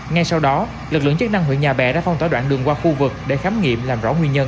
ngay sau đó lực lượng chức năng huyện nhà bè đã phong tỏa đoạn đường qua khu vực để khám nghiệm làm rõ nguyên nhân